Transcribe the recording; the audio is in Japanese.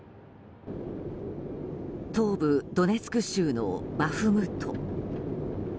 東部ドネツク州のバフムト。